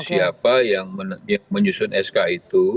siapa yang menyusun sk itu